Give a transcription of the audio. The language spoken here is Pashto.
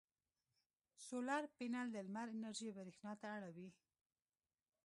سولر پینل د لمر انرژي برېښنا ته اړوي.